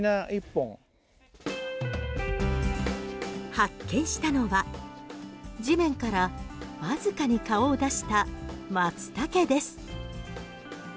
発見したのは地面からわずかに顔を出したマツタケです。